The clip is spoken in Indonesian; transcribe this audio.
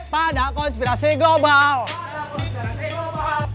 selalu mawas diri